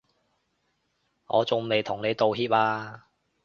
我仲未同你道歉啊